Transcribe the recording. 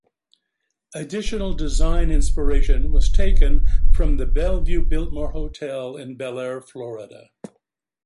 Additional design inspiration was taken from the Belleview-Biltmore Hotel in Belleair, Florida.